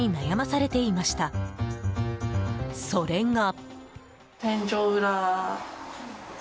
それが。